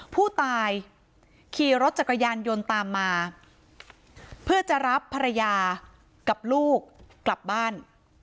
ผู้ตายขี่รถจักรยานยนต์ตามมาเพื่อจะรับภรรยากับลูกกลับบ้าน